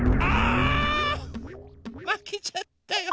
まけちゃったよ。